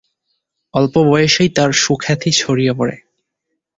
অল্প বয়সেই তার সুখ্যাতি ছড়িয়ে পড়ে।